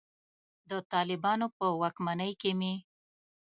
د طالبانو په واکمنۍ کې مې.